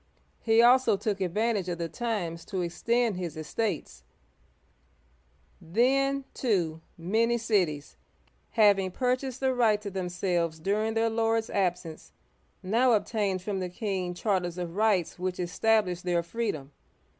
He also took advantage of the times to extend his estates. Then, too, many cities, having purchased the right to themselves during their lords* absence, now obtained uigiTizea Dy vjiOOQlC LOUIS VI. (iio8>ii37) 113 from the king charters of rights which established their freedom.